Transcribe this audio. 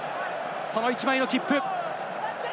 その１枚の切符。